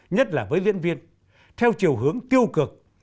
nhất là với diễn viên theo chiều hướng tiêu cực